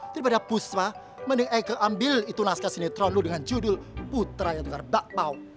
daripada puspa mending eike ambil itu naskah sinetron lo dengan judul putra yang tukar bakpao